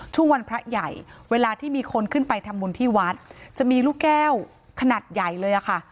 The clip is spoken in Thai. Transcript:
ช่วงวันพระใหญ่เวลาที่มีคนขึ้นไปทำบุญที่วัดจะมีลูกแก้วขนาดใหญ่เลยอะค่ะ